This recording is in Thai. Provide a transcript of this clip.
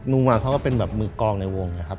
ลงมาเขาก็เป็นแบบมือกองในวงนะครับ